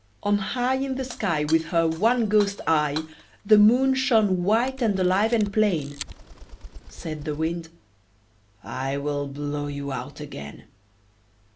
On high In the sky With her one ghost eye, The Moon shone white and alive and plain. Said the Wind "I will blow you out again."